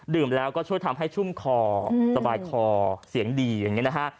แล้วก็ช่วยทำให้ชุ่มคอสบายคอเสียงดีอย่างนี้นะฮะ